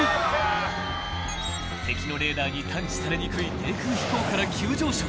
［敵のレーダーに探知されにくい低空飛行から急上昇